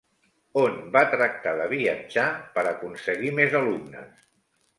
On va tractar de viatjar per aconseguir més alumnes?